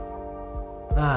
ああ。